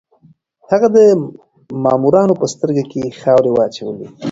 هغه د مامورانو په سترګو کې خاورې واچولې.